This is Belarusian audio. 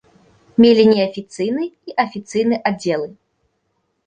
Мелі неафіцыйны і афіцыйны аддзелы.